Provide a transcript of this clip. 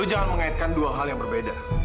jangan mengaitkan dua hal yang berbeda